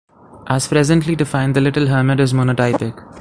As presently defined, the little hermit is monotypic.